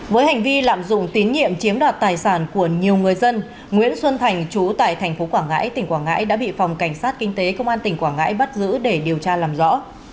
với hành vi lạm dụng tín nhiệm chiếm đoạt tài sản của nhiều người dân nguyễn xuân thành chú tại thành phố quảng ngãi tỉnh quảng ngãi đã bị phòng cảnh sát kinh tế công an tỉnh quảng ngãi bắt giữ để điều tra làm rõ